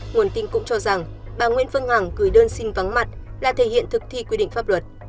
nguồn tin cũng cho rằng bà nguyễn phương hằng gửi đơn xin vắng mặt là thể hiện thực thi quy định pháp luật